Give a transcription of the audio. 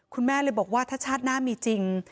คุณแม่เลยบอกว่าถ้าชาติหน้ามีจริง